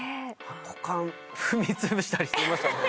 股間踏みつぶしたりしてましたもんね。